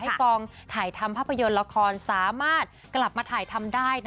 กองถ่ายทำภาพยนตร์ละครสามารถกลับมาถ่ายทำได้